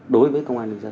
đối với công an nhân dân